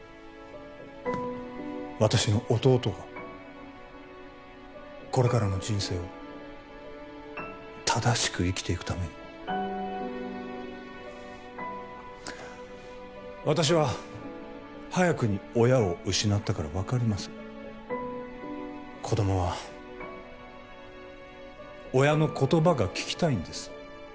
私の弟がこれからの人生を正しく生きていくために私は早くに親を失ったから分かります子どもは親の言葉が聞きたいんです